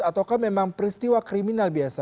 ataukah memang peristiwa kriminal biasa